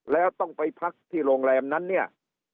แล้วต้องไปพักที่โรงแรมนั้นเนี่ย